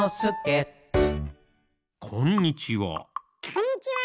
こんにちは。